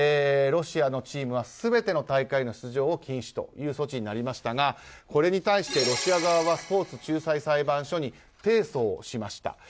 ロシアのチームは全ての大会の出場を禁止する措置となりましたがこれに対し、ロシア側はスポーツ仲裁裁判所に提訴をしました。